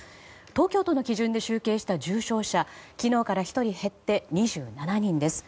東京都の基準で集計した重症者は昨日から１人減って２７人です。